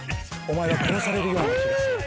お前は殺されるような気がする。